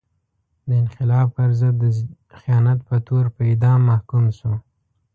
د انقلاب پر ضد د خیانت په تور په اعدام محکوم شو.